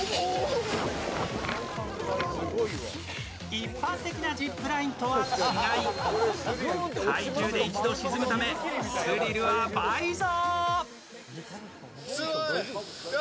一般的なジップラインとは違い、体重で一度沈むためスリルは倍増。